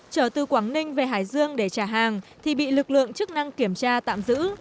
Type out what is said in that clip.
trở từ quảng ninh về hải dương để trả hàng thì bị lực lượng chức năng kiểm tra tạm giữ